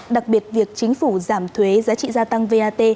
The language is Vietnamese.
đặc biệt việc chính phủ giảm thuế giá trị gia tăng vat